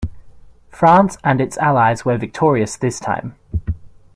France and its allies were victorious this time.